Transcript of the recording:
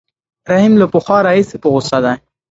رحیم له پخوا راهیسې په غوسه دی.